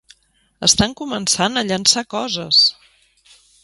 Estan començant a llençar coses!